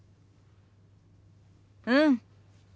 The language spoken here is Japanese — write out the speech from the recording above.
うん。